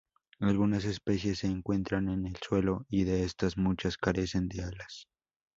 Algunas especies se encuentran en el suelo, y de estas, muchas carecen de alas.